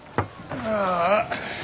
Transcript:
ああ。